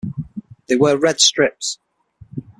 They wear red strips.